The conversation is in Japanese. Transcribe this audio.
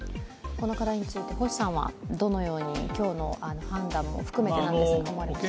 この課題について、星さんはどのように今日の判断も含めて思われてますか？